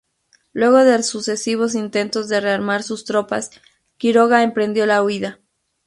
Luego de sucesivos intentos de rearmar sus tropas, Quiroga emprendió la huida.